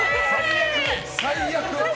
最悪！